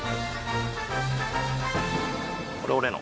これ俺の。